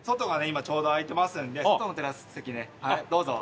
今ちょうど空いてますので外のテラス席でどうぞ。